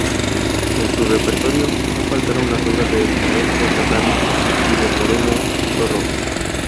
En su repertorio no faltaron las obras del maestro Serrano y de Moreno Torroba.